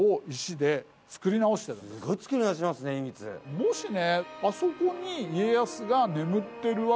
もしね。